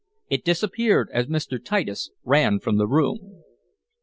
It disappeared as Mr. Titus ran from the room.